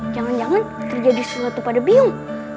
jangan jangan terjadi sesuatu pada bingung